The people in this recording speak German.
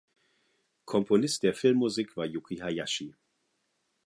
Komponist der Filmmusik war Yuki Hayashi.